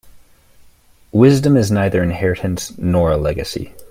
Wisdom is neither inheritance nor a legacy.